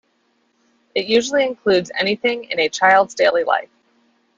It usually includes anything in a child's daily life.